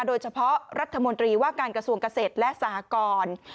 โดยเฉพาะรัฐมนตรีว่าการกระทรวงเกษตรและสหกร